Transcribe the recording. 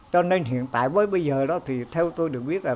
cho nên hiện tại với bây giờ đó thì theo tôi được biết là